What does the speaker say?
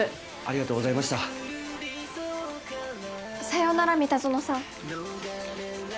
さようなら三田園さん。